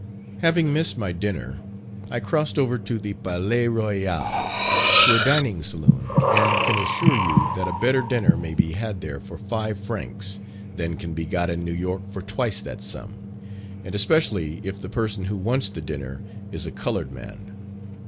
Having missed my dinner, I crossed over to the Palais Royal, to a dining saloon, and can assure you that a better dinner may be had there for five francs, than can be got in New York for twice that sum, and especially if the person who wants the dinner is a coloured man.